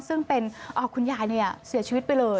ซึ่งเป็นคุณยายเสียชีวิตไปเลย